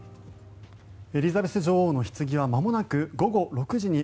エリザベス女王のひつぎはまもなく午後６時に